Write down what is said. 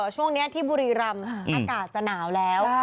ช่วงนี้ที่บุรีรำอากาศจะหนาวแล้ว